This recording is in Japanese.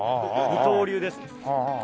二刀流です。